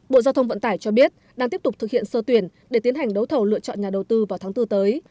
bộ giao thông vận tải cho biết đang tiếp tục thực hiện sơ tuyển để tiến hành đấu thầu lựa chọn nhà đầu tư vào tháng bốn tới